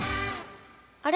あれ？